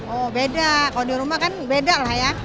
oh beda kalau di rumah kan beda lah ya